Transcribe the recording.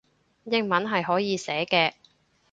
英文係可以寫嘅